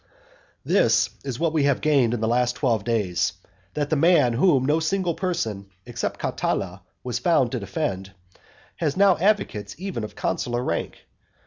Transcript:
This is what we have gained in the last twelve days, that the man whom no single person except Cotyla was then found to defend, has now advocates even of consular rank.